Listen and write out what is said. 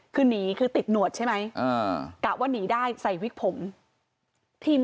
คือหนีคือติดหนวดใช่ไหมกะว่าหนีได้ใส่วิกผมทีม